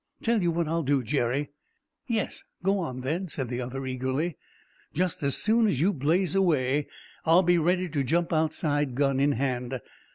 "Tell you what I'll do, Jerry." "Yes, go on then," said the other eagerly. "Just as soon as you blaze away, I'll be ready to jump outside, gun in hand."